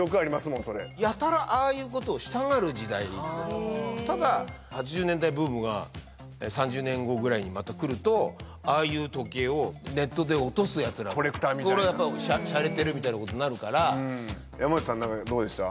もんそれやたらああいうことをしたがる時代ただ８０年代ブームが３０年後ぐらいにまた来るとああいう時計をネットで落とすやつらコレクターみたいなシャレてるみたいなことになるから山内さん何かどうでした？